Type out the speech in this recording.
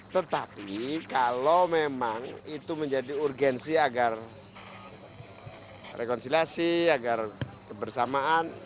tetapi kalau memang itu menjadi urgensi agar rekonsiliasi agar kebersamaan